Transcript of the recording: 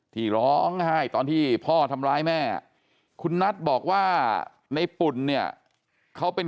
ที่ร้องไห้ตอนที่พ่อทำร้ายแม่คุณนัทบอกว่าในปุ่นเนี่ยเขาเป็น